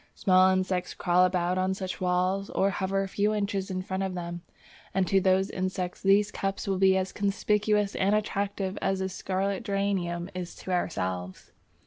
Small insects crawl about on such walls or hover a few inches in front of them, and to those insects these cups will be as conspicuous and attractive as a scarlet geranium is to ourselves.